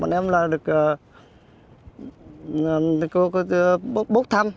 bọn em là được bốc thăm